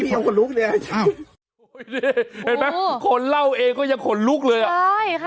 เห็นปะขนเหล้าเองก็ยังขนลุกเลยใช่ค่ะ